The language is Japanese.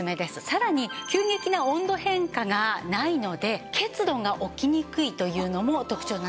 さらに急激な温度変化がないので結露が起きにくいというのも特長なんです。